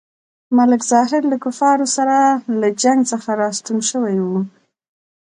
ملک ظاهر له کفارو سره له جنګ څخه راستون شوی وو.